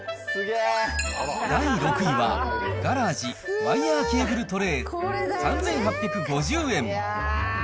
第６位は、ガラージ、ワイヤーケーブルトレー、３８５０円。